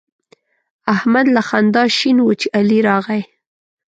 احمد له خندا شین وو چې علي راغی.